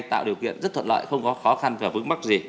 tạo điều kiện rất thuận lợi không có khó khăn và vướng mắc gì